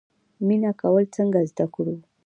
مینه کول څنګه زده کړو؟